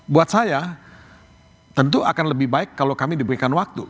buat saya tentu akan lebih baik kalau kami diberikan waktu